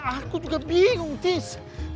aku juga bingung tis